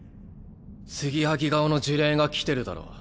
継ぎはぎ顔の呪霊が来てるだろ？